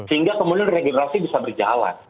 sehingga kemudian regenerasi bisa berjalan